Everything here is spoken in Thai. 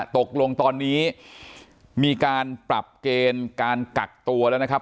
ตกลงตอนนี้มีการปรับเกณฑ์การกักตัวแล้วนะครับ